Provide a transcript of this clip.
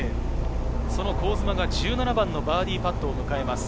その香妻が１７番のバーディーパットを迎えます。